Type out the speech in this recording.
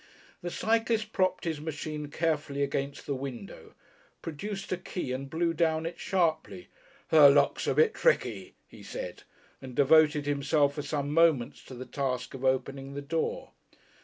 The cyclist propped his machine carefully against the window, produced a key and blew down it sharply. "The lock's a bit tricky," he said, and devoted himself for some moments to the task of opening the door.